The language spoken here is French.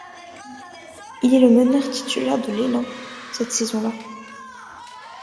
Il est le meneur titulaire de l'Élan cette saison-là.